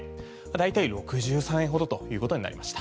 大体６３円ほどということになりました。